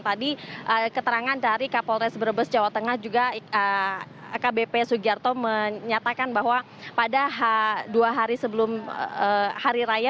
tadi keterangan dari kapolres brebes jawa tengah juga akbp sugiarto menyatakan bahwa pada dua hari sebelum hari raya